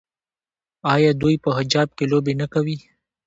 آیا دوی په حجاب کې لوبې نه کوي؟